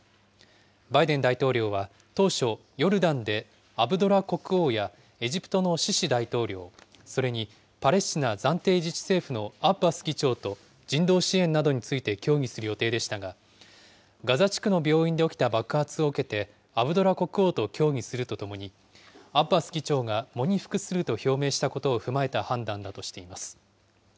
バイデン大統領は当初、ヨルダンでアブドラ国王やエジプトのシシ大統領、それにパレスチナ暫定自治政府のアッバス議長と人道支援などについて協議する予定でしたが、ガザ地区の病院で起きた爆発を受けて、アブドラ国王と協議するとともに、アッバス議長が喪に服すると表明したことを踏まえた判断だとしています。